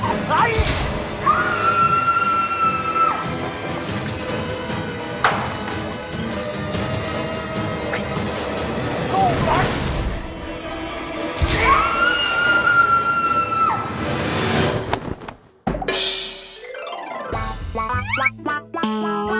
เราไม่แล้วกันเลย